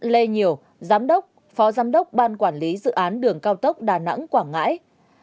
lê nhiều giám đốc phó giám đốc ban quản lý dự án đường cao tốc đà nẵng quảng ngãi